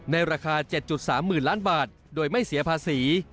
ในราคา๗๓๐๐๐ล้านบาทโดยไม่เสียภาษี